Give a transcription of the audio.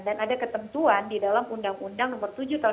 dan ada ketentuan di dalam undang undang nomor tujuh tahun dua ribu tujuh belas